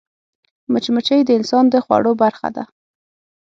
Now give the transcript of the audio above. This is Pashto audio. مچمچۍ د انسان د خوړو برخه ده